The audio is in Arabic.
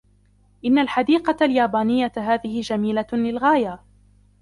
إن الحديقة اليابانية هذه جميلة للغاية.